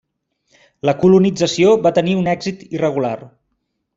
La colonització va tenir un èxit irregular.